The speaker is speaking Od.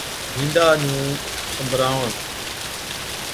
بِينڏا نُون سنبراوَڻ